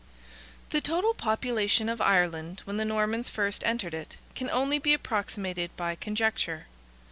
The total population of Ireland, when the Normans first entered it, can only be approximated by conjecture.